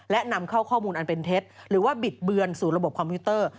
และนำเข้าข้อมูลอันเป็นเท็จหรือว่าบิดเบือนสู่ระบบคอมพิวเตอร์